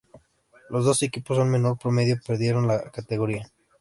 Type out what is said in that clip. Los dos equipos con menor promedio perdieron la categoría.